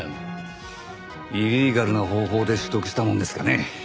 イリーガルな方法で取得したものですかね？